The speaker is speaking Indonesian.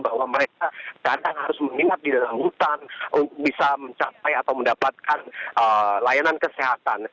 bahwa mereka datang harus menginap di dalam hutan untuk bisa mencapai atau mendapatkan layanan kesehatan